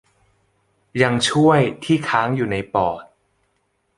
ยังช่วย ที่ค้างอยู่ในปอด